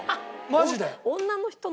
マジで。